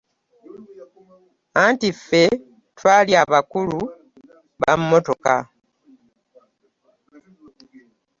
Anti ffe twali abakulu ba mmotoka.